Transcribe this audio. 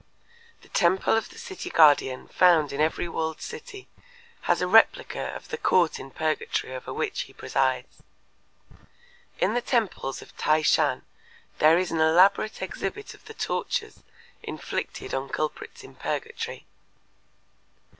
The temple of the City Guardian found in every walled city has a replica of the court in purgatory over which he presides. In the temples of T'ai Shan there is an elaborate exhibit of the tortures inflicted on culprits in purgatory.